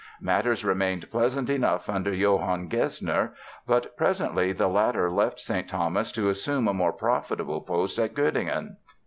Matters remained pleasant enough under Johann Gesner, but presently the latter left St. Thomas to assume a more profitable post at Göttingen.